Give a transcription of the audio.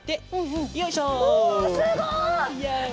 おすごい！